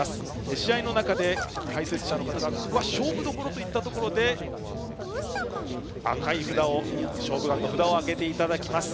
試合の中で解説者の方がここが勝負どころといったところで赤い「勝負眼」の札を上げていただきます。